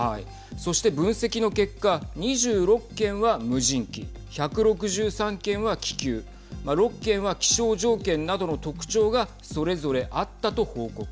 そして分析の結果２６件は無人機１６３件は気球６件は気象条件などの特徴がそれぞれあったと報告。